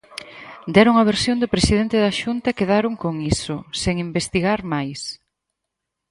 Deron a versión do presidente da Xunta e quedaron con iso, sen investigar máis.